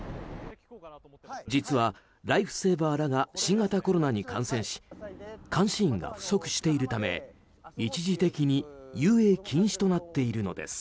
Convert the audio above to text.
実は、ライフセーバーらが新型コロナに感染し監視員が不足しているため一時的に遊泳禁止となっているのです。